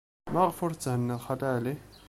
Maɣef ur tetthenniḍ Xali Ɛli?